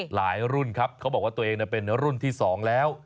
หลายรุ่นครับเขาบอกว่าตัวเองเป็นรุ่นที่๒แล้ว